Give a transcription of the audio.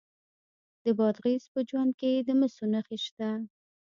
د بادغیس په جوند کې د مسو نښې شته.